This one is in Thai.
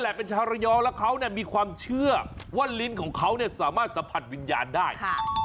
นายประสุทธิ์ลิ้นสัมผัสวิญญาณ